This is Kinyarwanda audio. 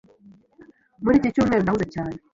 Muri iki cyumweru ndahuze cyane.